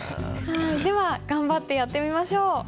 では頑張ってやってみましょう。